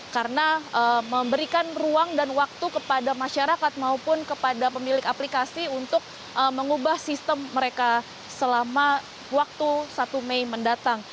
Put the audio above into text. karena memberikan ruang dan waktu kepada masyarakat maupun kepada pemilik aplikasi untuk mengubah sistem mereka selama waktu satu mei mendatang